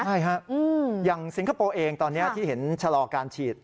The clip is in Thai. ใช่ฮะอย่างสิงคโปร์เองตอนนี้ที่เห็นชะลอการฉีด